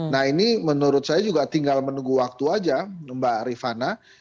nah ini menurut saya juga tinggal menunggu waktu aja mbak rifana